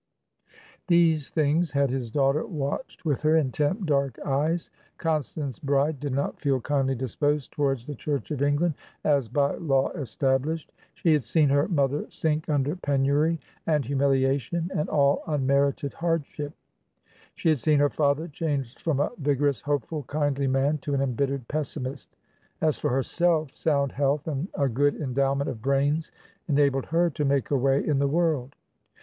These things had his daughter watched with her intent dark eyes; Constance Bride did not feel kindly disposed towards the Church of England as by law established. She had seen her mother sink under penury and humiliation and all unmerited hardship; she had seen her father changed from a vigorous, hopeful, kindly man to an embittered pessimist. As for herself, sound health and a good endowment of brains enabled her to make a way in the world.